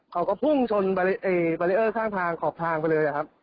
เขาก็พุ่งชนบารีเออร์ข้างทางขอบทางไปเลยครับ